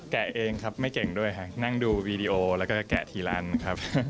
เองครับไม่เก่งด้วยครับนั่งดูวีดีโอแล้วก็แกะทีล้านครับ